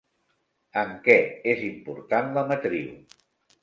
En què és important la matriu?